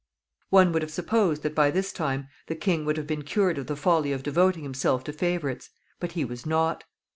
[Illustration: WARWICK CASTLE.] One would have supposed that by this time the king would have been cured of the folly of devoting himself to favorites, but he was not.